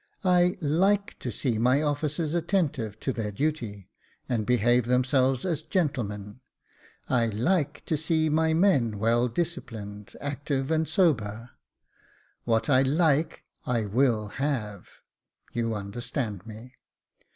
I /ike to see my officers attentive to their duty, and behave themselves as gentlemen. I like to see my men well disciplined, active, and sober. What I /ike I nvi// have — you understand me.